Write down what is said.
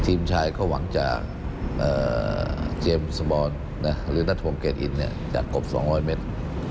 ทีมชายเขาหวังจากเจมส์สมอนหรือนัทธวงเกจอินเนี่ยจากกบสองร้อยเมตร